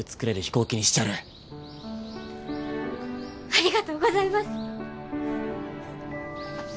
ありがとうございます！